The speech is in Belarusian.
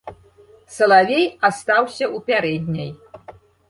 Салавей астаўся ў пярэдняй.